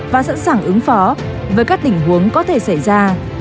và sẵn sàng ứng phó với các tình huống có thể xảy ra